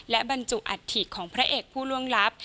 และบรรจุอัฐิของพระเอกผู้ล่วงลับ